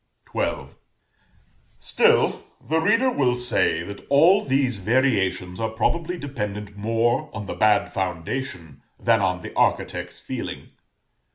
XII. Still, the reader will say that all these variations are probably dependent more on the bad foundation than on the architect's feeling.